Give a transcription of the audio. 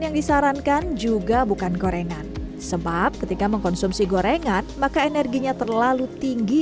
yang disarankan juga bukan gorengan sebab ketika mengkonsumsi gorengan maka energinya terlalu tinggi